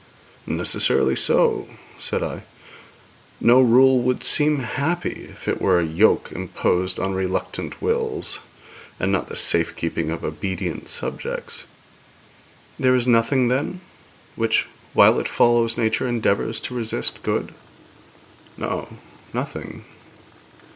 'Necessarily so,' said I; 'no rule would seem happy if it were a yoke imposed on reluctant wills, and not the safe keeping of obedient subjects.' 'There is nothing, then, which, while it follows nature, endeavours to resist good.' 'No; nothing.'